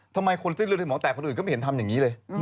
ทำไมคนเส้นเลือดที่หมอแตกคนอื่นก็ไม่เห็นทำอย่างนี้เลย